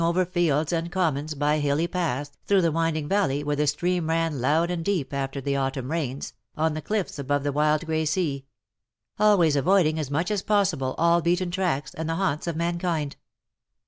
over fields and commons, by hilly paths, through 'the winding valley where the stream ran loud and deep after the autumn rains, on the cliffs above the .wild grey sea — always avoiding as much as possible ;all beaten tracks, and the haunts of mankind.